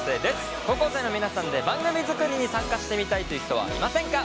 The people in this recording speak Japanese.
高校生の皆さんで番組作りに参加してみたいという人はいませんか？